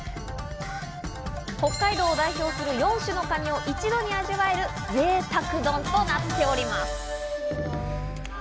北海道を代表する４種のカニを一度に味わえる、ぜいたく丼となっております。